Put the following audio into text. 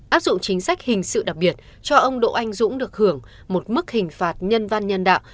áp dụng chính sách hình sự đặc biệt cho ông đỗ anh dũng được hưởng một mức hình phạt nhân văn nhân đạo